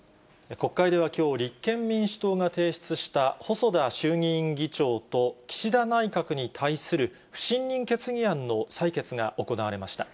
国会ではきょう、立憲民主党が提出した細田衆議院議長と、岸田内閣に対する不信任決議案の採決が行われました。